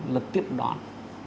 là tiếp đón